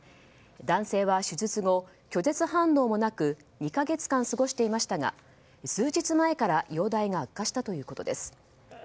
男性は手術後拒絶反応もなく２か月間過ごしていましたが数日前から容体が悪化したということです。